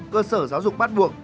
cơ sở giáo dục bắt buộc